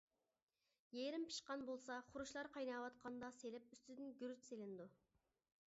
يېرىم پىشقان بولسا، خۇرۇچلار قايناۋاتقاندا سېلىپ ئۈستىدىن گۈرۈچ سېلىنىدۇ.